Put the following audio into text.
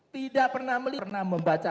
tidak pernah melihat